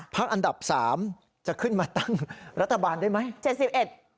ภาคอันดับ๓จะขึ้นมาตั้งรัฐบาลได้ไหม